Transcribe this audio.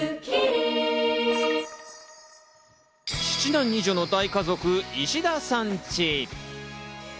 ７男２女の大家族石田さんチ。